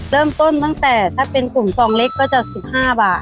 เริ่มต้นตั้งแต่ถ้าเป็นขุนซองเล็กก็จะ๑๕บาท